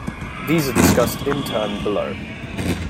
These are discussed in turn below.